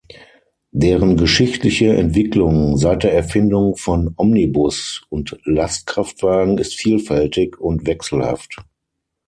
Deren geschichtliche Entwicklung seit der Erfindung von Omnibus und Lastkraftwagen ist vielfältig und wechselhaft.